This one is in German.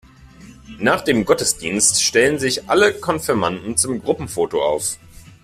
Nach dem Gottesdienst stellen sich alle Konfirmanden zum Gruppenfoto auf.